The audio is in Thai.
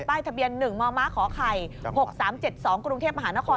ใบทะเบียนหนึ่งมมขแข่๖๓๗๒กรุงเทพฯมหานคร